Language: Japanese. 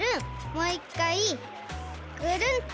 もういっかいグルンと。